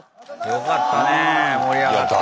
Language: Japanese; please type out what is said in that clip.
よかったね盛り上がって。